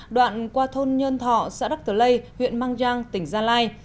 đoạn qua thôn nhân thọ xã đắc cờ lây huyện mang giang tỉnh gia lai